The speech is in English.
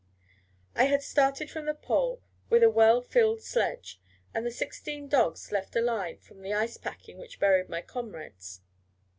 I had started from the Pole with a well filled sledge, and the sixteen dogs left alive from the ice packing which buried my comrades.